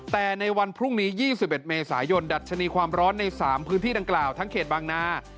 แต่ในวันพรุ่งนี้๒๑เมษายนดัชนีความร้อนใน๓พื้นที่ดังกล่าวทั้งเขตบางนา